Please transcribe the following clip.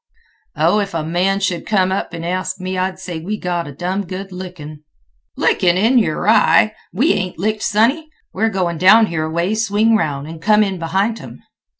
"Oh, if a man should come up an' ask me, I'd say we got a dum good lickin'." "Lickin'—in yer eye! We ain't licked, sonny. We're goin' down here aways, swing aroun', an' come in behint 'em."